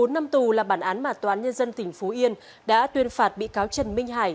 một mươi bốn năm tù là bản án mà tòa án nhân dân tỉnh phú yên đã tuyên phạt bị cáo trần minh hải